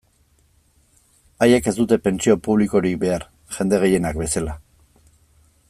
Haiek ez dute pentsio publikorik behar, jende gehienak bezala.